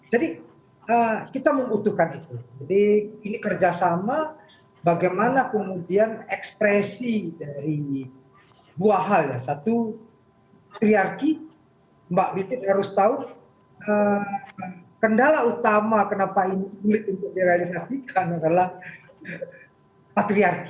jadi kita membutuhkan itu jadi ini kerjasama bagaimana kemudian ekspresi dari buah hal satu patriarki mbak bikin harus tahu kendala utama kenapa ini sulit untuk direalisasikan adalah patriarki